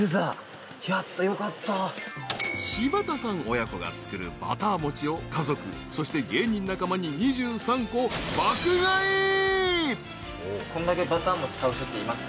親子が作るバター餅を家族そして芸人仲間に２３個爆買い］いるんだ。